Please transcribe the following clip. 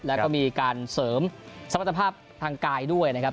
แล้วก็มีการเสริมสมรรถภาพทางกายด้วยนะครับ